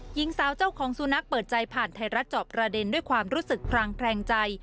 หญิงสาวเจ้าของสุนัขเปิดใจผ่านไทยรัฐจอบประเด็นด้วยความรู้สึกพรางแคลงใจ